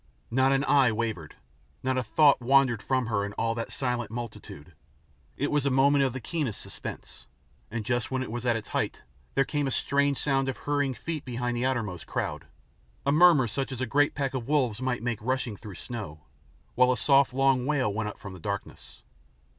Not an eye wavered, not a thought wandered from her in all that silent multitude. It was a moment of the keenest suspense, and just when it was at its height there came a strange sound of hurrying feet behind the outermost crowd, a murmur such as a great pack of wolves might make rushing through snow, while a soft long wail went up from the darkness.